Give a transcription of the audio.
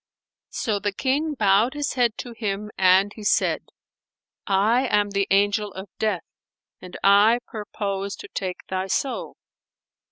So the King bowed his head to him and he said, "I am the Angel of Death and I purpose to take thy soul."